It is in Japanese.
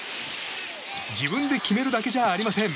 自分で決めるだけじゃありません。